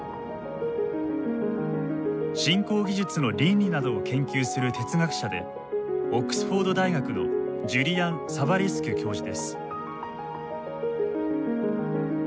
新興技術の倫理などを研究する哲学者でオックスフォード大学のジュリアン・サヴァレスキュ教授です。